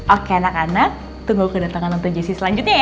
oke anak anak tunggu kedatangan tante jessy selanjutnya ya